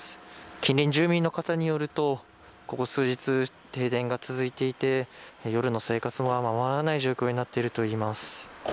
近隣住民の方によるとここ数日、停電が続いてて夜の生活が、ままならない状況になっているといいます。